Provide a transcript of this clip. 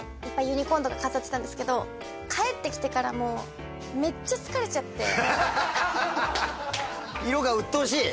ユニコーンとか飾ってたんですけど帰ってきてからもうめっちゃ疲れちゃって色がうっとうしい？